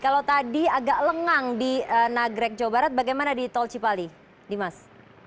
kalau tadi agak lengang di nagrek jawa barat bagaimana di tol cipali dimas